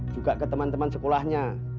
juga ke teman teman sekolahnya